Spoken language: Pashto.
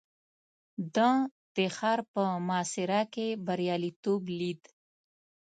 ده د ښار په محاصره کې برياليتوب ليد.